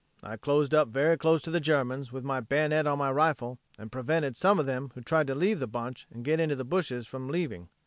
I closed up very close to the Germans with my bayonet on my rifle and prevented some of them who tried to leave the bunch and get into the bushes from leaving.